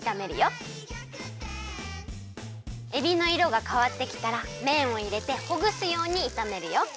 「大ぎゃくてん」えびのいろがかわってきたらめんをいれてほぐすようにいためるよ。